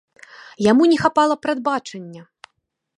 Яму не хапала прадбачання.